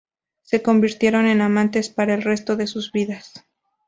Se convirtieron en amantes para el resto se sus vidas.